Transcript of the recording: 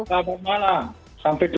selamat malam sampai jumpa